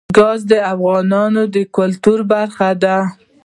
ګاز د افغانانو د ګټورتیا برخه ده.